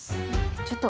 ちょっと。